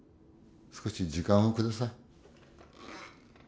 少し時間を下さい。